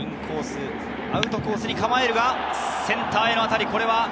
アウトコースに構えるが、センターへの当たり。